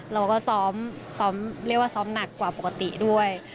เราก็ซ้อมเรียกว่าซ้อมหนักกว่าปกติด้วย